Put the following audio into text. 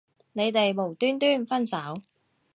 你哋無端端分手